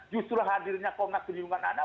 justru hadirnya komnak perlindungan anak